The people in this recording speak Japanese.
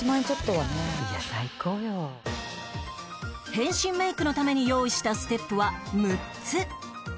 変身メイクのために用意したステップは６つ